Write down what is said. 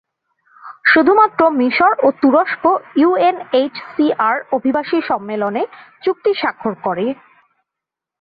শুধুমাত্র মিশর ও তুরস্ক ইউএনএইচসিআর অভিবাসী সম্মেলনে চুক্তি স্বাক্ষর করে।